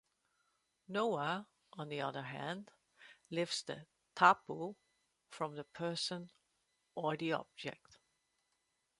"Noa", on the other hand, lifts the "tapu" from the person or the object.